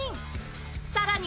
さらに